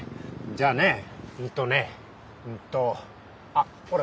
じゃあねうんとねうんとあっほら